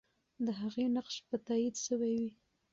د هغې نقش به تایید سوی وي.